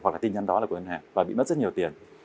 hoặc là tin nhắn đó là của ngân hàng và bị mất rất nhiều tiền